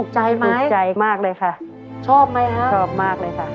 ชอบไหมคะชอบมากเลยค่ะ